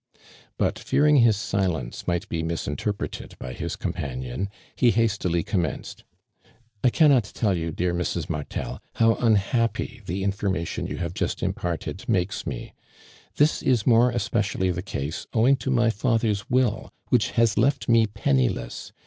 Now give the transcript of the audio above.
But fear ing his silence might be misintei pretetl by his companion, he hastily commenced :" I cannot tell you, dear Mrs. Martel, how imhappy the information you have just im parted, makes me. This is more especially the case, owing to my father's will, which has left me penniless.